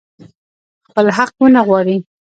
خپل حق ونه غواړي.